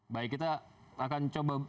baik kita akan coba